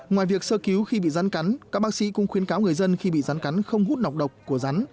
ngoài việc sơ cứu khi bị rắn cắn các bác sĩ cũng khuyến cáo người dân khi bị rắn cắn không hút nọc độc của rắn